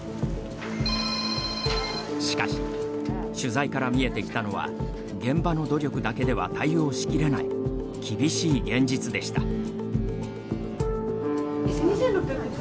しかし、取材から見えてきたのは現場の努力だけでは対応しきれない厳しい現実でした。